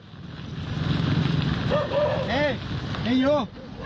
นี่นี่อยู่